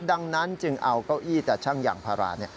ดังนั้นจึงเอาเก้าอี้แต่ช่างยางพารา